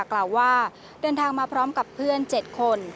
กล่าวว่าเดินทางมาพร้อมกับเพื่อน๗คน